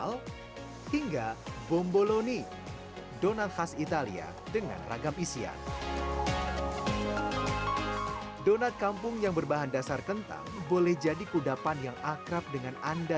kami hadirkan beritanya untuk anda